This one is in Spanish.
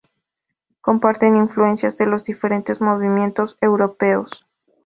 Comparten influencias de los diferentes movimientos europeos.